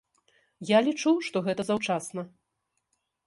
Я лічу, што гэта заўчасна.